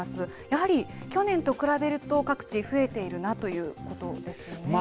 やはり去年と比べると、各地増えているなということですよね。